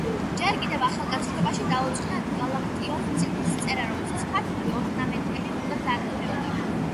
ჯერ კიდევ ახალგაზრდობაში დაუწყია გალაკტიონს წიგნის წერა, რომელსაც „ქართული ორნამენტი“ უნდა დარქმეოდა.